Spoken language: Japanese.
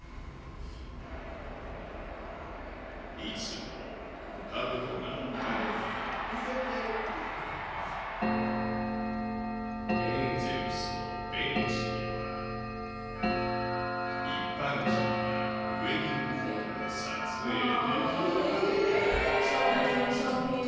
いつもかぶとが置かれているエンゼルスのベンチでは、一般人がウエディングフォトを撮影できる。